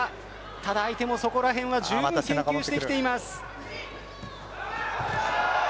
ただ、相手もそこら辺は十分研究してきています。